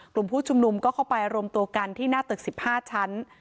กลุ่มผู้ชุมนุมก็เข้าไปรวมตัวกันที่หน้าตึก๑๕ชั้น